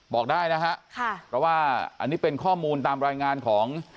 บอกได้นะฮะค่ะเพราะว่าอันนี้เป็นข้อมูลตามรายงานของ